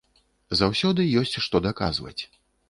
Заўсёды ёсць што даказваць.